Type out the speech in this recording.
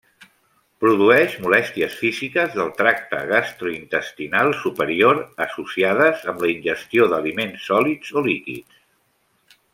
Produeix molèsties físiques del tracte gastrointestinal superior, associades amb la ingestió d'aliments sòlids o líquids.